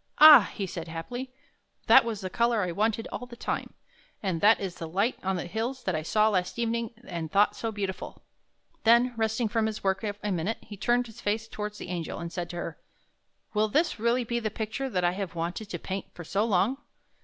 " Ah," he said happily, " that was the color I wanted all the time! And that is the light on the hills that I saw last evening and thought so beautiful! " Then, resting from his work a minute, he turned his face again toward the Angel, and said to her: "Will this really be the picture that I have wanted to paint for so long?